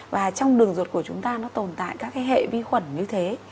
và trong đường ruột của chúng ta nó tồn tại các cái hệ vi khuẩn như thế